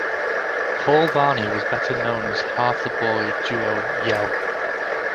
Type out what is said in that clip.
Paul Varney was better known as half the boy duo Yell!